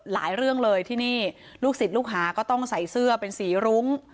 เรื่องเลยที่นี่ลูกศิษย์ลูกหาก็ต้องใส่เสื้อเป็นสีรุ้ง